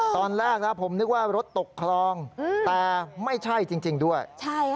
ตอนแรกนะผมนึกว่ารถตกคลองแต่ไม่ใช่จริงด้วย